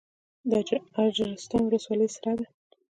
د اجرستان ولسوالۍ سړه ده